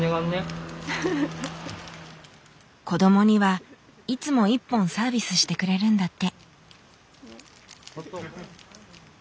子どもにはいつも１本サービスしてくれるんだって。